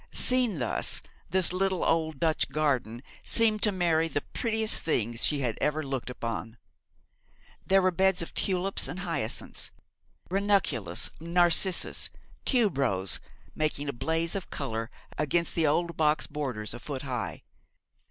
Seen thus, this little old Dutch garden seemed to Mary the prettiest thing she had ever looked upon. There were beds of tulips and hyacinths, ranunculus, narcissus, tuberose, making a blaze of colour against the old box borders, a foot high.